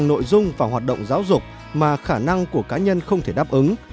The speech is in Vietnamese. nội dung và hoạt động giáo dục mà khả năng của cá nhân không thể đáp ứng